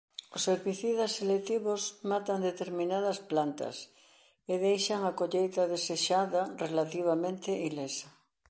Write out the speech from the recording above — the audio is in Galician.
Os herbicidas selectivos matan determinadas plantas e deixan a colleita desexada relativamente ilesa.